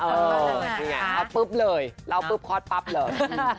เออเอาปุ๊บเลยแล้วปุ๊บคลอดปั๊บเลย